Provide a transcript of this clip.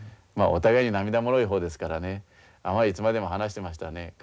まあお互いに涙もろい方ですからねあまりいつまでも話してましたらね